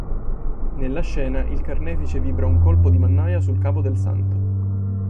Nella scena il carnefice vibra un colpo di mannaia sul capo del santo.